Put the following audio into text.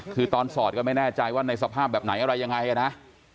คือตอนสอดก็ไม่แน่ใจว่าในสภาพแบบไหนอะไรยังไงนะ